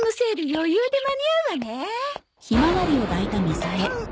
余裕で間に合うわね。はうっ！？